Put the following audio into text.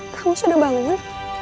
kamu sudah bangun